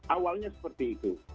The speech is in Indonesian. awalnya seperti itu